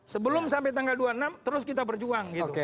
sebelum sampai tanggal dua puluh enam terus kita berjuang gitu